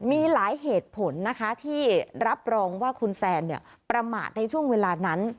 มีหลายเหตุผลนะคะที่รับรองว่าคุณแซนประมาทในช่วงเวลานั้น